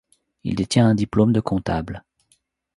Il détient un diplôme de comptable.